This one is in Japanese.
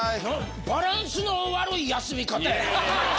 バランスの悪い休み方やね。